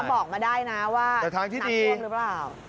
บอกมาได้นะว่าน้ำเบี้ยวหรือเปล่า